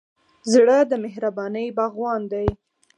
زړه د مهربانۍ باغوان دی.